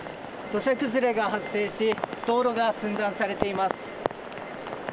土砂崩れが発生し、道路が寸断されています。